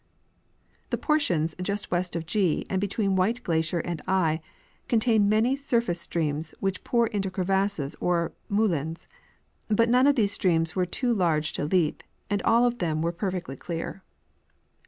The portions just west of G and between White glacier and I contain many sur face streams which pour into crevasses or moulins ; but none of these streams were two large to leap, and all of them were per fectly clear. 32 H. F. Reicl — Studies of Muir Glacier.